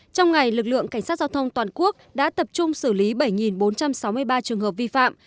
trong ngày lực lượng cảnh sát giao thông toàn quốc đã tập trung xử lý bảy bốn trăm sáu mươi ba trường hợp vi phạm